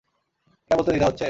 এটা বলতে দ্বিধা হচ্ছে।